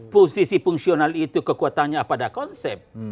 posisi fungsional itu kekuatannya pada konsep